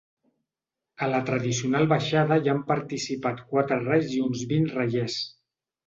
A la tradicional baixada hi han participat quatre rais i uns vint raiers.